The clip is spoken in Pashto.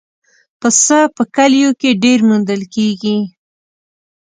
پسه په کلیو کې ډېر موندل کېږي.